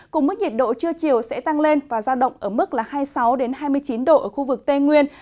cùng mức nhiệt độ trưa chiều sẽ tăng lên và giao động ở mức hai mươi sáu hai mươi chín độ ở khu vực tây nguyên